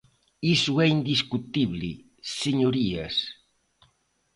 Iso é indiscutible, señorías.